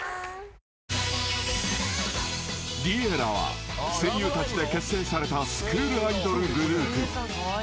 ［Ｌｉｅｌｌａ！は声優たちで結成されたスクールアイドルグループ］